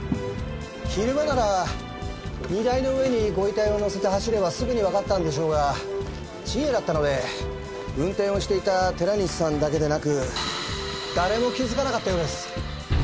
昼間なら荷台の上にご遺体を載せて走ればすぐにわかったんでしょうが深夜だったので運転をしていた寺西さんだけでなく誰も気づかなかったようです。